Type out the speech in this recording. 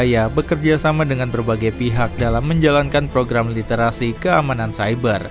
saya bekerja sama dengan berbagai pihak dalam menjalankan program literasi keamanan cyber